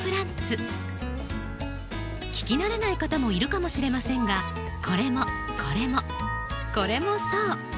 聞き慣れない方もいるかもしれませんがこれもこれもこれもそう。